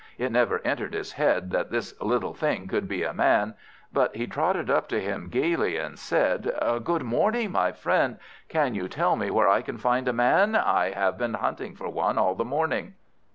It never entered his head that this little thing could be a Man, but he trotted up to him gaily, and said "Good morning, my friend. Can you tell me where I can find a Man? I have been hunting for one all the morning."